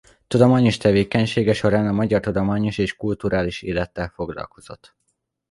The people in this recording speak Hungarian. Tudományos tevékenysége során a magyar tudományos és kulturális élettel foglalkozott.